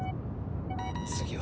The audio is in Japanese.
次は？